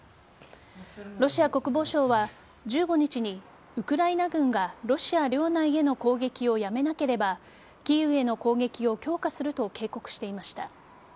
ロシア国防省は１５日にウクライナ軍がロシア領内への攻撃をやめなければキーウへの攻撃を強化すると警告していました。